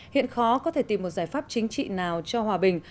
hiện khó có thể tìm một giải pháp chính trị nào cho hòa bình